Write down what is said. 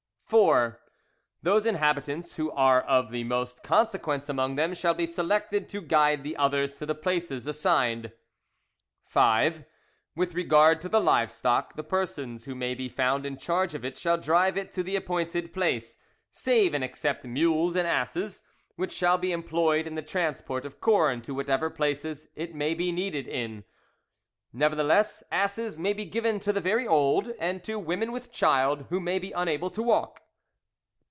"IV. Those inhabitants who are of the most consequence among them shall be selected to guide the others to the places assigned. "V. With regard to the live stock, the persons who may be found in charge of it shall drive it to the appointed place, save and except mules and asses, which shall be employed in the transport of corn to whatever places it may be needed in. Nevertheless, asses may be given to the very old, and to women with child who may be unable to walk.